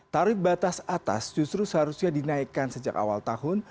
tarif batas atas justru seharusnya dinaikkan sejak awal tahun